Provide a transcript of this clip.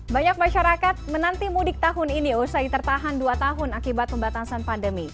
banyak masyarakat menanti mudik tahun ini usai tertahan dua tahun akibat pembatasan pandemi